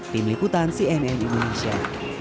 tim liputan cnn indonesia